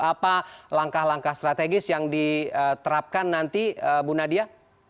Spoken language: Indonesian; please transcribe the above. apa langkah langkah strategis yang diterapkan nanti bu nadia